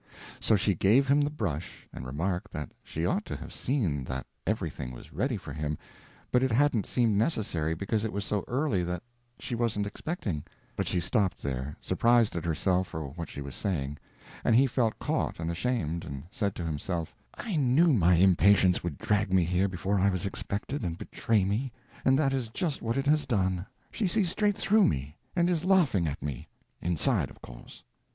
So she gave him the brush, and remarked that she ought to have seen that everything was ready for him, but it hadn't seemed necessary, because it was so early that she wasn't expecting—but she stopped there, surprised at herself for what she was saying; and he felt caught and ashamed, and said to himself, "I knew my impatience would drag me here before I was expected, and betray me, and that is just what it has done; she sees straight through me—and is laughing at me, inside, of course."